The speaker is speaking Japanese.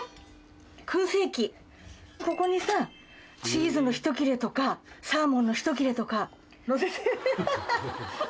ここにさチーズのひと切れとかサーモンのひと切れとかのせて。